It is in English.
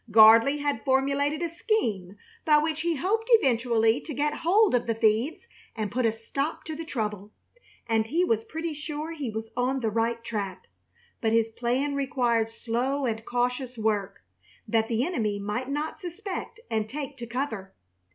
Gardley had formulated a scheme by which he hoped eventually to get hold of the thieves and put a stop to the trouble, and he was pretty sure he was on the right track; but his plan required slow and cautious work, that the enemy might not suspect and take to cover.